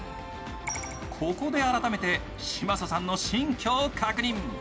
ここで改めて、嶋佐さんの新居を確認。